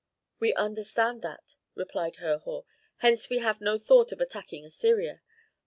"We understand that," replied Herhor; "hence we have no thought of attacking Assyria.